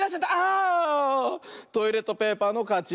トイレットペーパーのかち。